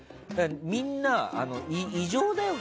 みんな異常だよ。